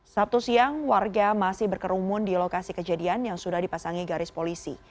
sabtu siang warga masih berkerumun di lokasi kejadian yang sudah dipasangi garis polisi